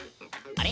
あれ？